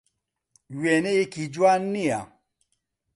وێنەیەکی جوان نییە.